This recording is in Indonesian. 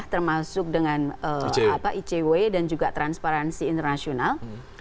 termasuk dengan icw dan juga transparansi internasional